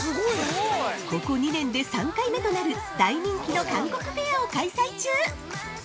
◆ここ２年で３回目となる大人気の韓国フェアを開催中。